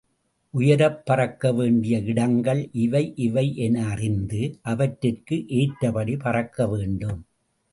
உயரப் பறக்க வேண்டிய இடங்கள் இவை இவை என அறிந்து, அவற்றிற்கு ஏற்றபடி பறக்க வேண்டும்.